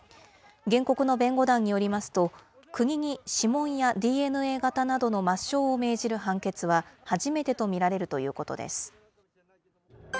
原告の弁護団によりますと、国に指紋やＤＮＡ型などの抹消を命じる判決は、初めてと見られるということです。